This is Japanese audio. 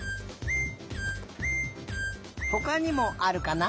ほかにもあるかな？